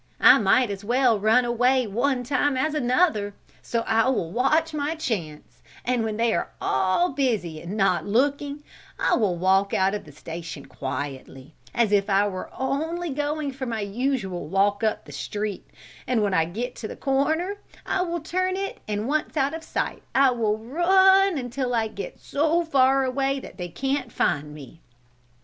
I might as well run away one time as another, so I will watch my chance, and when they are all busy and not looking, I will walk out of the station quietly, as if I were only going for my usual walk up the street, and when I get to the corner, I will turn it and once out of sight I will run until I get so far away they can't find me."